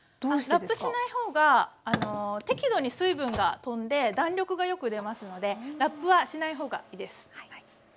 ラップしない方が適度に水分が飛んで弾力がよく出ますのでラップはしない方がいいです。